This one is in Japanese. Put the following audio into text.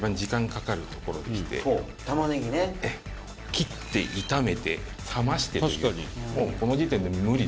「切って炒めて冷ましてというもうこの時点で無理ですよね」